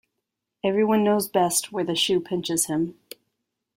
Every one knows best where the shoe pinches him.